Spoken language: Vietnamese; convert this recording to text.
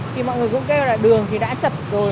thì mọi người cũng kêu là đường thì đã chật rồi